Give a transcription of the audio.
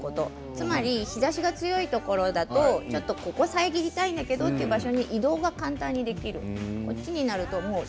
つまり日ざしが強いところだとちょっとここを遮りたいんだけどという場所に移動が簡単にできる。